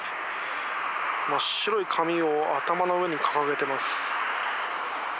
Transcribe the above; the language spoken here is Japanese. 真っ白い紙を頭の上に掲げてます。